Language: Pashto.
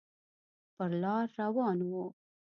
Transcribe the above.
پر لار روان و.